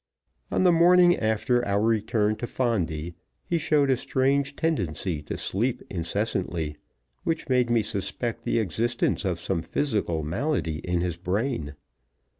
On the morning after our return to Fondi he showed a strange tendency to sleep incessantly, which made me suspect the existence of some physical malady in his brain.